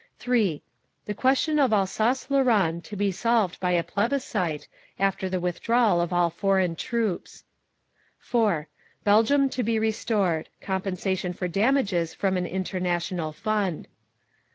(3) The question of Alsace Lorraine to be solved by a plebiscite, after the withdrawal of all foreign troops. (4) Belgium to be restored. Compensation for damages from an international fund.